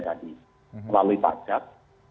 tadi melalui pajak